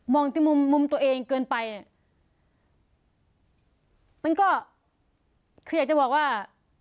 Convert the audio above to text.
มองตรงมุมตัวเองเกินไปมันก็คืออยากจะบอกว่า